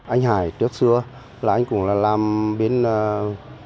anh hải trước xưa là anh cũng là làm bên gọi là bên văn hóa của xã nghị xuân của xã nhà đây